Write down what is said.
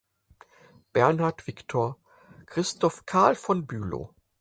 Bernhard Victor Christoph-Carl von Bülow